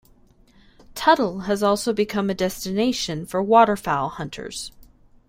Tuttle has also become a destination for waterfowl hunters.